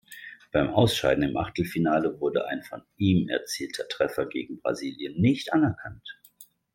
Beim Ausscheiden im Achtelfinale wurde ein von ihm erzielter Treffer gegen Brasilien nicht anerkannt.